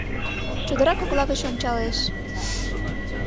Чодыра кокла гыч ончалеш.